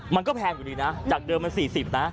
มันก็แพงอยู่ดีนะจากเดิมมัน๔๐นะ